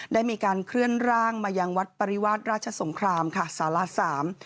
ได้มีการเคลื่อนร่างมายังวัดปริวาสราชสงครามค่ะสารสาม